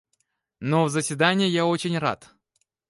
Но в заседание я очень рад.